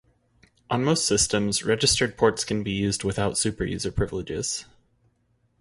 On most systems, registered ports can be used without superuser privileges.